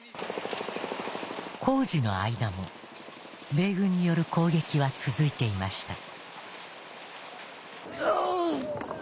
工事の間も米軍による攻撃は続いていました。